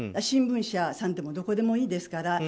新聞社さんでもどこでもいいですから。